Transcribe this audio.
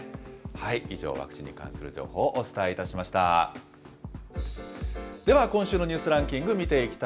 以上、ワクチンに関する情報をお伝えいたしました。